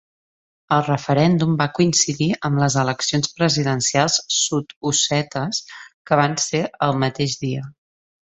El referèndum va coincidir amb les eleccions presidencials sud-ossetes, que van ser el mateix dia.